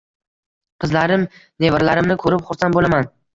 Qizlarim, nevaralarimni ko’rib, xursand bo’laman.